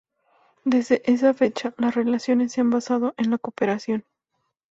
Desde esa fecha, las relaciones se han basado en la cooperación.